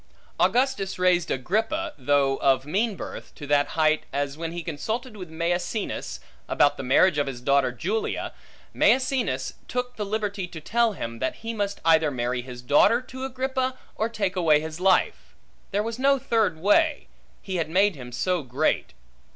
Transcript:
Augustus raised Agrippa (though of mean birth) to that height, as when he consulted with Maecenas, about the marriage of his daughter Julia, Maecenas took the liberty to tell him, that he must either marry his daughter to Agrippa, or take away his life; there was no third way, he had made him so great.